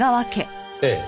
ええ。